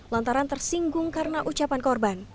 lantaran tersinggung karena ucapan korban